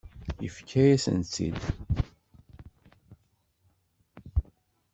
Yefka-yasent-tt-id.